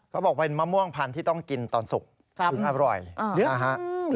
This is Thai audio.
เขาบอกว่าเป็นมะม่วงพันธุ์ที่ต้องกินตอนสุกคืออร่อย